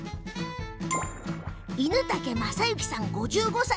犬竹昌幸さん、５５歳。